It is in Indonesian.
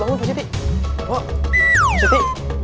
bangun pak siti